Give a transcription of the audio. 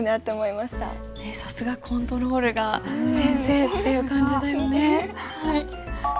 さすがコントロールが先生っていう感じだよね。